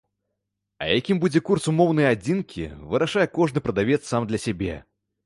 А якім будзе курс умоўнай адзінкі, вырашае кожны прадавец сам для сябе.